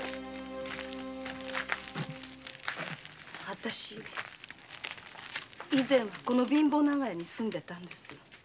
あたし前はこの貧乏長屋に住んでいたんです。